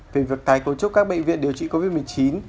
về vượt thái cấu trúc các bệnh viện điều trị covid một mươi chín